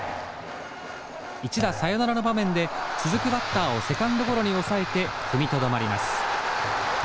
一打サヨナラの場面で続くバッターをセカンドゴロに抑えて踏みとどまります。